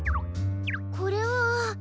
これは。